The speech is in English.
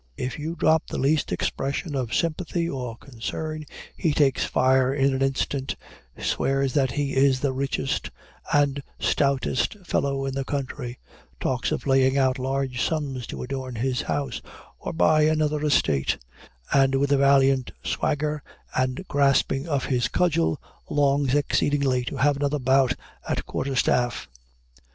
If you drop the least expression of sympathy or concern, he takes fire in an instant; swears that he is the richest and stoutest fellow in the country; talks of laying out large sums to adorn his house or buy another estate; and with a valiant swagger and grasping of his cudgel, longs exceedingly to have another bout at quarter staff.